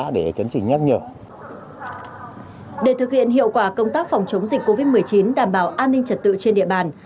để thực hiện hiệu quả công tác phòng chống dịch covid một mươi chín đảm bảo an ninh trật tự trên địa bàn